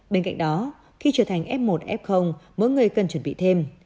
bên cạnh đó khi trở thành f một f mỗi người cần chuẩn bị thêm